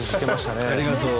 ありがとう。